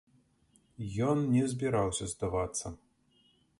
Ён не збіраўся здавацца.